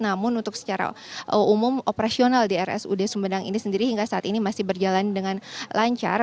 namun untuk secara umum operasional di rsud sumedang ini sendiri hingga saat ini masih berjalan dengan lancar